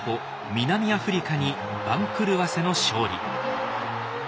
南アフリカに番狂わせの勝利。